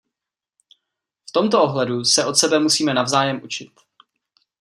V tomto ohledu se od sebe musíme navzájem učit.